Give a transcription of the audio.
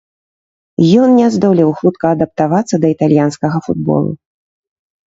Ён не здолеў хутка адаптавацца да італьянскага футболу.